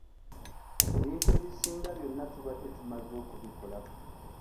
Ebintu ebisinga byonna tubadde tumaze okubikolako.